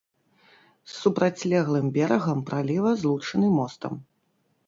З супрацьлеглым берагам праліва злучаны мостам.